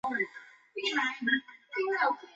但这已于事无补。